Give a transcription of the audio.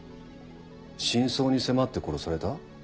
真相に迫って殺された？